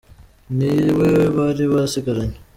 niwe bari basigaranye.